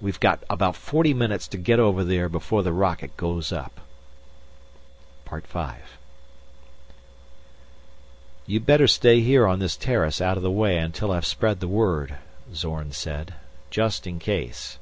We've got about forty minutes to get over there before the rocket goes up." V "You'd better stay here on this terrace out of the way until I've spread the word," Zorn said. "Just in case."